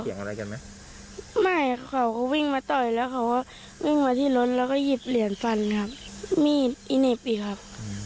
อะไรกันไหมไม่เขาก็วิ่งมาต่อยแล้วเขาก็วิ่งมาที่รถแล้วก็หยิบเหรียญฟันครับมีดอีเหน็บอีกครับ